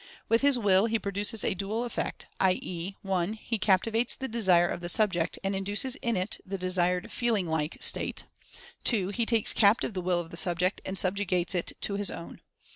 With his Will he produces a dual effect, i. e., (1) he captivates the Desire of the subject, and induces in it the desired "feeling like" state; (2) he takes captive the Will of the subject, and subjugates it to his own.